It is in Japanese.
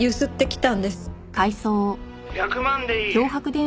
「１００万でいい。